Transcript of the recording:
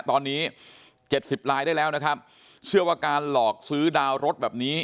ตอนนี้เจ็ดสิบลายได้แล้วนะครับเชื่อว่าการหลอกซื้อดาวรถแบบนี้